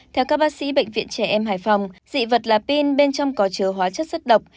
theo các bác sĩ bệnh viện trẻ em hải phòng dị vật là pin bên trong có chứa hóa chất rất độc